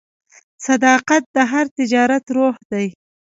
صداقت د هر تجارت روح دی.